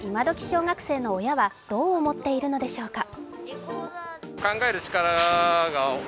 小学生の親はどう思っているのでしょうか。